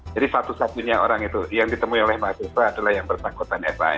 jadi satu satunya orang itu yang ditemui oleh mahasiswa adalah yang bersangkutan san